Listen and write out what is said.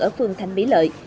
ở phường thành mỹ lợi